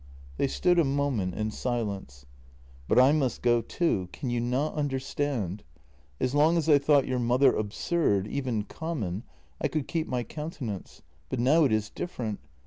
They stood a moment in silence. "But I must go too. Can you not understand? As long as I thought your mother absurd, even common, I could keep my countenance, but now it is different.